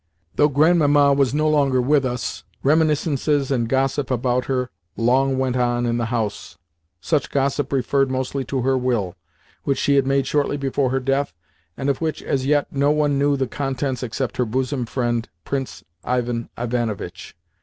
Though Grandmamma was no longer with us, reminiscences and gossip about her long went on in the house. Such gossip referred mostly to her will, which she had made shortly before her death, and of which, as yet, no one knew the contents except her bosom friend, Prince Ivan Ivanovitch.